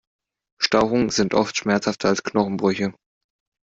Stauchungen sind oft schmerzhafter als Knochenbrüche.